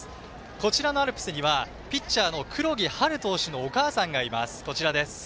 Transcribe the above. こちらのアルプスにはピッチャーの黒木陽琉投手のお母さんがいます。